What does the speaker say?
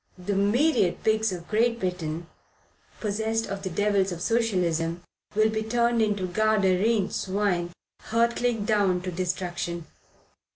The myriad pigs of Great Britain, possessed of the devils of Socialism, will be turned into Gadarene swine hurtling down to destruction.